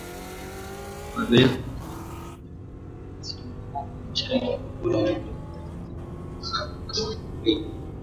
wamepelekwa katika milima ya msituni ya mashariki mwa Poland kilomita chache kutoka mpaka wa Ukraine